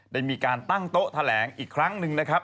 ได้มีการตั้งโต๊ะแถลงอีกครั้งหนึ่งนะครับ